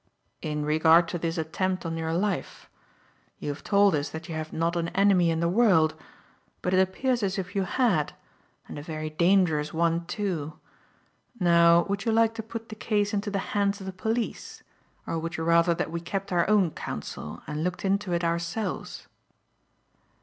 "In regard to this attempt on your life. You have told us that you have not an enemy in the world. But it appears as if you had; and a very dangerous one, too. Now would you like to put the case into the hands of the police, or would you rather that we kept our own counsel and looked into it ourselves?"